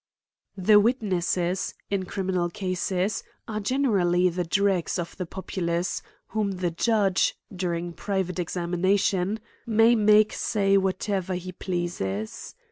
The witnesses, in criminal cases, are general ly the dregs of the populace, whom the Judge, du ring private examination, may make say whatever he pleases.